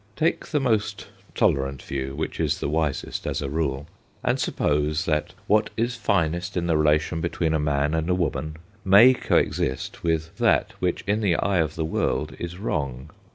Take the most tolerant view, which is the wisest as a rule, and suppose that what is finest in the relation between a man and a woman may co exist with that which in the eye of the world is wrong.